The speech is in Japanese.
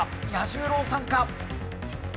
彌十郎さんか？